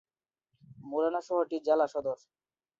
মোরেনা শহরটির জেলা সদর।